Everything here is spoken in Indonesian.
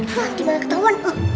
hah gimana ketahuan